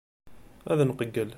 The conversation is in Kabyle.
Ad nqeyyel.